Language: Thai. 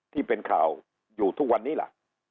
ที่เป็นข่าวอยู่ทุกวันนี้ล่ะ